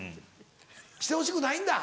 してほしくないんだ？